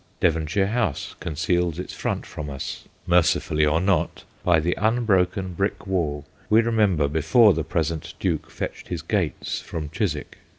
Devonshire House conceals its front from us mercifully or not by the unbroken brick wall we remember before the present Duke fetched his gates from Chis wick.